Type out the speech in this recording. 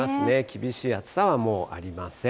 厳しい暑さはもうありません。